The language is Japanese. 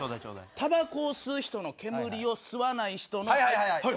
たばこを吸う人の煙を吸わなはいはい。